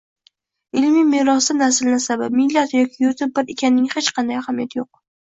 ilmiy merosda nasl-nasabi, millati yoki yurti bir ekanining hech qanday ahamiyati yo‘q.